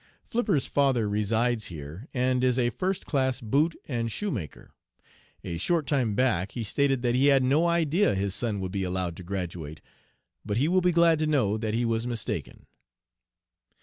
Flipper's father resides here, and is a first class boot and shoe maker. A short time back he stated that he had no idea his son would be allowed to graduate, but he will be glad to know that he was mistaken."